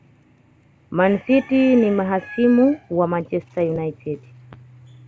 Man city ni mahasimu wa Manchester United